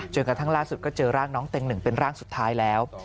กระทั่งล่าสุดก็เจอร่างน้องเต็งหนึ่งเป็นร่างสุดท้ายแล้ว